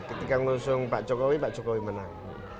ketika ngusung pak cokowi pak cokowi menang